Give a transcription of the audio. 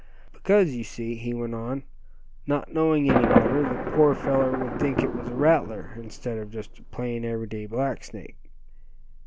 "Because, you see," he went on, "not knowing any better, the poor feller would think it was a rattler, instead of just a plain, every day black snake.